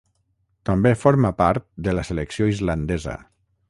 També forma part de la selecció islandesa.